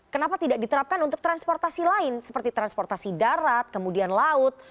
kenapa tidak diterapkan untuk transportasi lain seperti transportasi darat kemudian laut